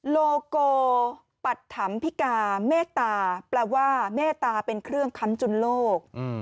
โลโกปัตถำพิกาเมตตาแปลว่าเมตตาเป็นเครื่องค้ำจุนโลก